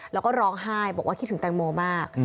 แล้วก็ร้องไห้บอกว่าคิดถึงแตงโมมาก